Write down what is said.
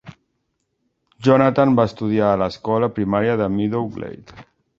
Jonathan va estudiar a l'escola primària de Meadow Glade.